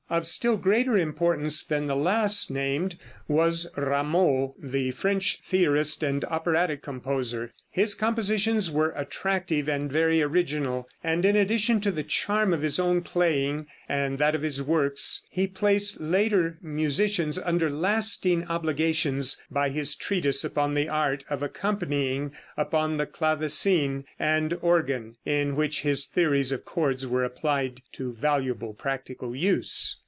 Of still greater importance than the last named, was Rameau, the French theorist and operatic composer (p. 336). His compositions were attractive and very original, and in addition to the charm of his own playing, and that of his works, he placed later musicians under lasting obligations by his treatise upon the art of accompanying upon the clavecin and organ, in which his theories of chords were applied to valuable practical use.